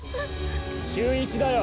修一だよ。